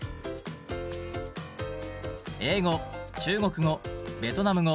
中国語ベトナム語